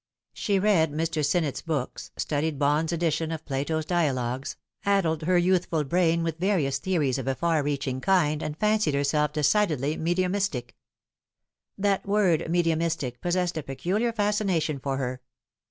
She read Mr. Sinnett'B books, studied Bohu's edition cf Plato's Dialogues, addled her The Time has Gome. 209 youthful brain with various theories of a far reaching kind, and fancied herself decidedly medimnistic. That word medium istic possessed a peculiar fascination for her.